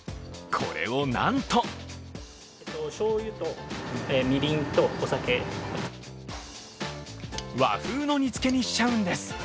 これをなんと和風の煮付けにしちゃうんです。